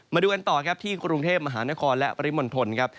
มาดูกันต่อครับที่กรุงเทพมหานครและปริมณฑลครับ